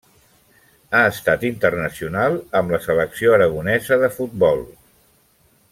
Ha estat internacional amb la selecció aragonesa de futbol.